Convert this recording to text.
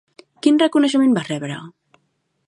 Quin reconeixement va rebre?